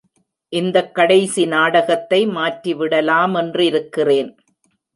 இந்தக் கடைசி நாடகத்தை மாற்றிவிடலாமென்றிருக்கிறேன்.